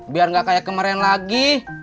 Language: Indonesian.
biar gak kayak kemarin lagi